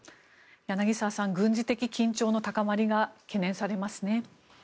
柳澤さん、軍事的緊張の高まりが懸念されますね。